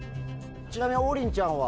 ちなみに王林ちゃんは？